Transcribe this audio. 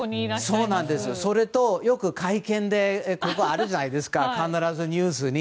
それと、よく会見でよくあるじゃないですか必ずニュースに。